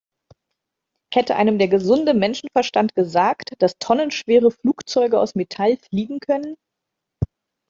Hätte einem der gesunde Menschenverstand gesagt, dass tonnenschwere Flugzeuge aus Metall fliegen können?